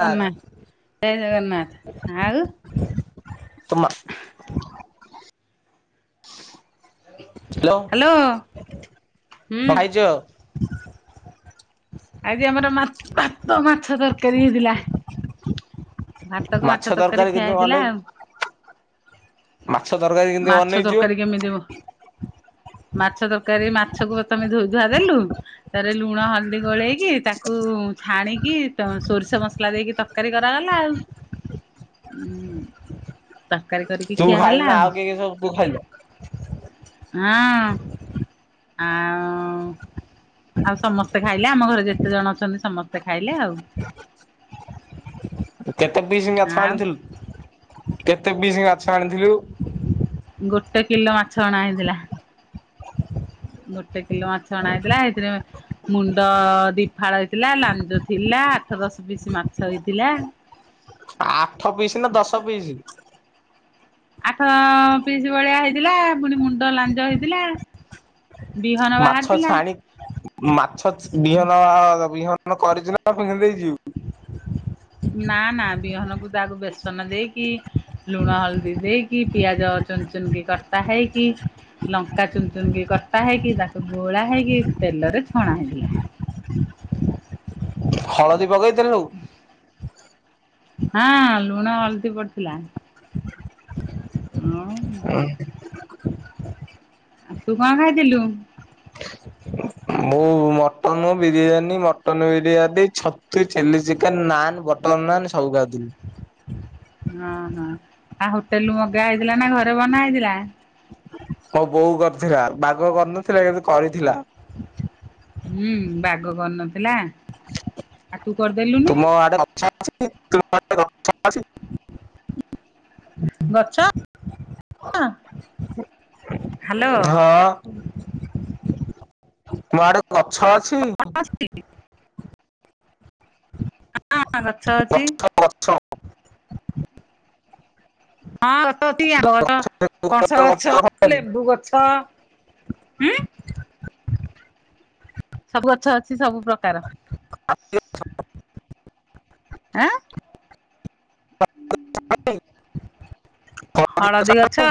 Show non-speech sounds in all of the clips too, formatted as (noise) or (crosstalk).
ତୁମା ଜୟ ଜଗନ୍ନାଥ ଆଉ ତୁ ମା ହଁ। ହ୍ୟାଲୋ ହୁଁ। ହଁ। ଆଜି ଆମର ମା ଭାତ ମାଛ ତରକାରୀ ହେଇଥିଲା। ଭାତ କୁ ମାଛ ତରକାରୀ ଖିଆ ହେଇଥିଲା ଆଉ। ମାଛ ତରକାରୀ କେମିତି ବନେଇଛୁ। କେମିତ ହବ (inaudible) ମାଛ ତରକାରୀ ମାଛକୁ ପ୍ରଥମେ ଧୋଇ ଧୁଆ ଦେଲୁ ତାରେ ଲୁଣ ହଳଦୀ ଗୋଳେଇ କି ତାକୁ ଛାଣିକି ତ ସୋରିଷ ମସଲା ଦେଇକି ତରକାରୀ କରାଗଲା ଆଉ। ଉଁ ତରକାରୀ କରିକି ତୁ ଖିଆ ଖାଇଲୁ ହେଲା ନା ଆଉ। କିଏ କିଏ ସବୁ ତୁ ଖାଇଲୁ ଆଁ। ଆଉଁ ଆଉ ସମସ୍ତେ ଖାଇଲେ ଆମ ଘରେ ଯେ କେତେ ଜଣ ଅଛନ୍ତି ସମସ୍ତେ ଖାଇଲେ ଆଉ। କେତେ ପିସ୍ ମାଛ ଆଉ ଆଣିଥିଲୁ କେତେ ପିସ୍ ମାଛ ଆଣିଥିଲୁ। ଗୋଟେ କିଲୋ ମାଛ ଅଣା ହେଇଥିଲା। ଗୋଟେ କିଲୋ ମାଛ ଅଣା ଏଇଥିଲା ଏଇତିରେ ମୁଣ୍ଡ ଦିଫାଳ ହେଇଥିଲା ଲାଞ୍ଜ ଥିଲା ଆଠ ଦଶ ପିସ୍ ମାଛ ହେଇଥିଲା। ଆଠ ପିସ୍ ନା ଦଶ ପିସ୍। ଆଠ ପିସ୍ ଭଳିଆ ହେଇଥିଲା ପୁଣି ମୁଣ୍ଡ ଲାଞ୍ଜ ହେଇଥିଲା। ବିହନ ମାଛ ବାହାରିଥିଲା ଛାଣି ମାଛ ବିହନ ବିହନ କଣ କରିଚି ନା କଣ ସେମିତି ଦେଇଚି। ନା ନା ବିହନକୁ ତାକୁ ବେସନ ଦେଇକି ଲୁଣ ହଳଦୀ ଦେଇକି ପିଆଜ ଚୁନ ଚୁନ କି କଟା ହେଇକି ଲଙ୍କା ଚୁନ୍‌ ଚୁନ୍‌ କି କଟା ହେଇକି ତାକୁ ଗୋଳା ହେଇକି ତେଲରେ ଛଣା ହେଇଥିଲା। ହଳଦୀ ପକେଇଥିଲୁ। ହୁଁ। ହଁ ଲୁଣ ହଳଦି ପଡିଥିଲା। ହଁ। କହିଥିଲା। ଆଉ ତୁ କଣ ଖାଇଥିଲୁ। ମୁଁ ମ ମଟନ ବିରିୟାନୀ ମଟନ ବିରିୟାତି ଛତୁ chilli chicken naan butter naan ସବୁ ଖାଇଥିଲି। ହଁ ହଁ ଆଉ ହୋଟେଲରୁୁ ମଗା ହେଇଥିଲା ନା ଘରେ ବନା ହେଇଥିଲା। କୌ ବୋଉ କରିଥିଲା ବାଗ କରିନଥିଲା ଏବେ କରିଥିଲା। ହୁଁ ବାଗ କରନଥିଲା। ତୁମ ଆଡେ ଗଛ ଅଛି (unintelligible) ଗଛ ଅଁ ହ୍ୟାଲୋ। ତମ ଆଡେ ଗଛ ଅଛି। ଗଛ ଅଛି ହଁ ଗଛ ଅଛି। ଗଛ। ହଁ ଗଛ ଅଛି ଆମ୍ବ ଗଛ ପଣଷ ଗଛ ଅଛି ଲେମ୍ବୁ ଗଛ ଉଁ ସବୁ ଗଛ ଅଛି ସବୁ ପ୍ରକାର। ଆଁ! (unintelligible) ହଳଦୀ ଗଛ?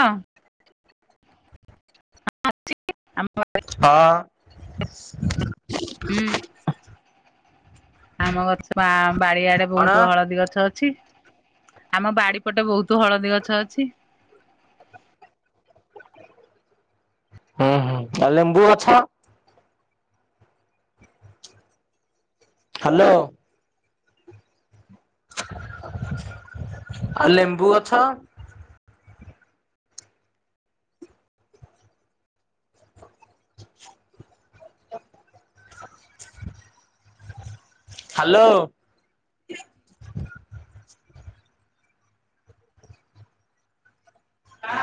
(unintelligible) ହଁ। ହୁଁ। ଆମ ଗଛ ବାଡି଼ଆଡ଼େ କଣ ବହୁତ ହଳଦୀ ଗଛ ଅଛି। ଆମ ବାଡି଼ ପଟେ ବହୁତ ହଳଦୀ ଗଛ ଅଛି। ହୁଁ ହୁଁ। ଆଉ ଲେମ୍ବୁ ଅଛ? ହ୍ୟାଲୋ। ଆଉ ଲେମ୍ବୁ ଗଛ। ହ୍ୟାଲୋ।